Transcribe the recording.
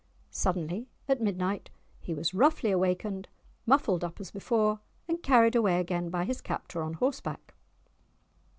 Suddenly at midnight he was roughly awakened, muffled up as before, and carried away again by his captor on horseback.